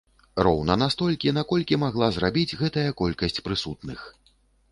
Роўна настолькі, наколькі магла зрабіць гэтая колькасць прысутных.